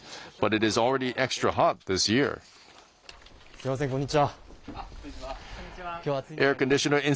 すいません、こんにちは。